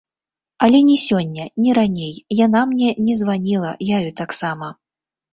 Але ні сёння, ні раней яна мне не званіла, я ёй таксама.